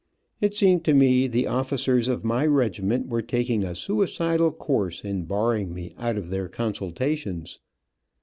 It seemed to me the officers of my regiment were taking a suicidal course in barring me out of their consultations.